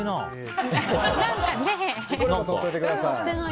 これも取っておいてください。